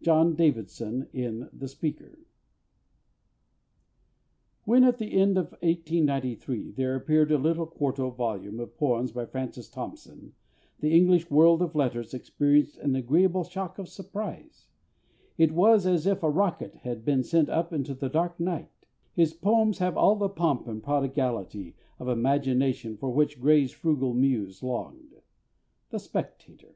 JOHN DAVIDSON, in The Speaker. When at the end of 1893 there appeared a little quarto volume of poems by FRANCIS THOMPSON, the English world of letters experienced an agreeable shock of surprise. It was as if a rocket had been sent up into a dark night. His poems have all the "pomp and prodigality" of imagination for which Gray's frugal muse longed. _The Spectator.